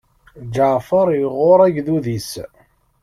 Ǧaɛfeṛ iɣuṛṛ agdud-is.